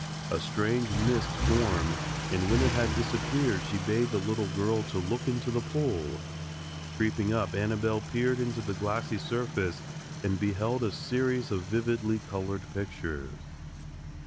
A strange mist formed, and when it had disappeared she bade the little girl to look into the pool. Creeping up Annabelle peered into the glassy surface, and beheld a series of vividly colored pictures.